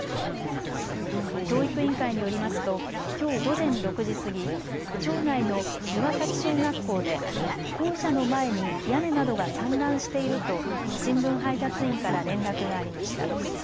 教育委員会によりますときょう午前６時過ぎ、町内のいわさき小学校で校舎の前に屋根などが散乱していると新聞配達員から連絡がありました。